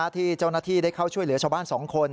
ที่เจ้าหน้าที่ได้เข้าช่วยเหลือชาวบ้าน๒คน